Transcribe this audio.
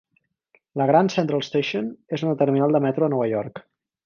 La Grand Central Station és una terminal de metro a Nova York.